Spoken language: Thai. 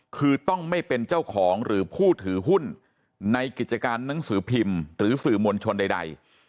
คือต้องไม่เป็นเจ้าของหรือผู้ถือหุ้นในกิจการหนังสือพิมพ์หรือสื่อมวลชนใด